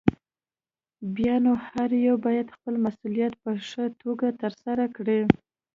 بيا نو هر يو بايد خپل مسؤليت په ښه توګه ترسره کړي.